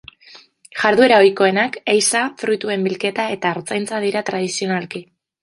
Jarduera ohikoenak ehiza, fruituen bilketa eta artzaintza dira tradizionalki.